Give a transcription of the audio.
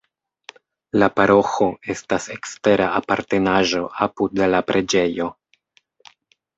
La paroĥo estas ekstera apartenaĵo apud la preĝejo.